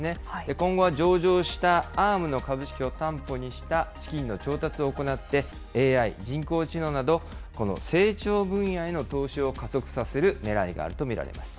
今後は上場したＡｒｍの株式を担保にした資金の調達を行って、ＡＩ・人工知能など、成長分野への投資を加速させるねらいがあると見られます。